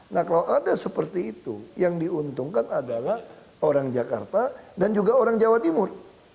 nah kalau ada seperti itu yang diuntungkan adalah orang jakarta dan juga orang jawa timur